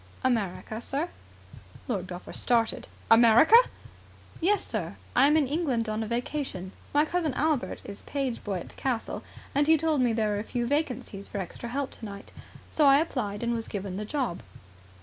"America, sir." Lord Belpher started. "America!" "Yes, sir. I am in England on a vacation. My cousin, Albert, is page boy at the castle, and he told me there were a few vacancies for extra help tonight, so I applied and was given the job."